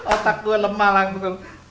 otak gue lemah langsung